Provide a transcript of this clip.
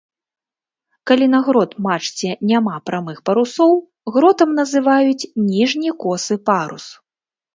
Калі на грот-мачце няма прамых парусоў, гротам называюць ніжні косы парус.